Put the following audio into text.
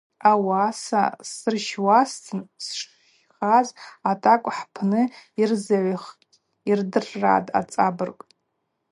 Ауаса сырщуазтын сшщхаз атӏакӏв хӏпны йырзыгӏвх, йырдырргӏатӏ ацӏабырг.